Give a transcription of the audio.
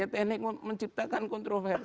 ya teknik menciptakan kontroversi